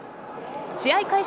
試合開始